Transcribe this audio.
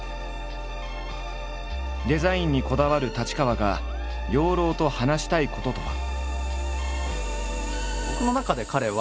デザインにこだわる太刀川が養老と話したいこととは。